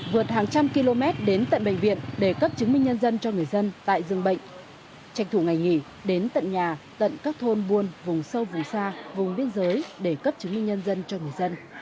vượt hàng trăm km đến tận bệnh viện để cấp chứng minh nhân dân cho người dân tại dương bệnh tranh thủ ngày nghỉ đến tận nhà tận các thôn buôn vùng sâu vùng xa vùng biên giới để cấp chứng minh nhân dân cho người dân